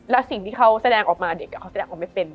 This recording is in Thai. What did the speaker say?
แล้วสิ่งที่เขาแสดงออกมาเด็กเขาแสดงออกไม่เป็น